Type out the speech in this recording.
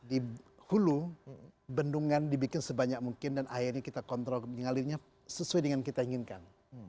di hulu bendungan dibikin sebanyak mungkin dan airnya kita kontrol mengalirnya sesuai dengan kita inginkan